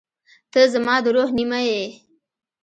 • ته زما د روح نیمه یې.